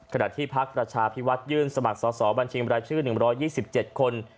ขณะที่พักราชาพิวัตรยื่นสมัครสอบสอบบัญชีบรายชื่อหนึ่งร้อยยี่สิบเจ็ดคน